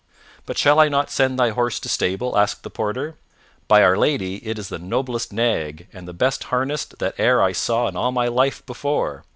"But shall I not send thy horse to stable?" said the porter. "By Our Lady, it is the noblest nag, and the best harnessed, that e'er I saw in all my life before."